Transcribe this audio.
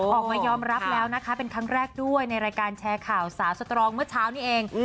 ออกมายอมรับแล้วนะคะเป็นครั้งแรกด้วยในรายการแชร์ข่าวสาวสตรองเมื่อเช้านี้เอง